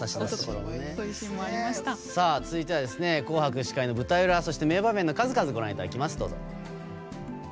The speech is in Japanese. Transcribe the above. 続いては「紅白」司会の舞台裏そして名場面の数々をご覧いただきます。